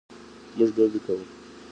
موږ لوبې کوو.